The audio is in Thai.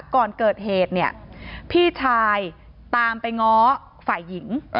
ก่อนเกิดเหตุเนี่ยพี่ชายตามไปง้อฝ่ายหญิง